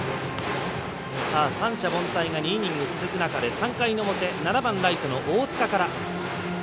三者凡退が続く中で３回の表、７番ライトの大塚から。